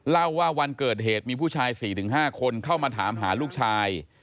เล่าว่าวันเกิดเหตุมีผู้ชาย๔๕คนเข้ามาถามหาลูกชาย